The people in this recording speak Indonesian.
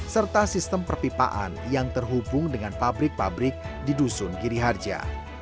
serta sistem perpipaan yang terhubung dengan pabrik pabrik di dusun giri harja